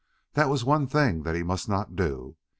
That was one thing that he must not do.